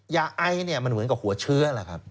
ยาไอเนี่ยมันเหมือนกับหัวเชื้อล่ะครับ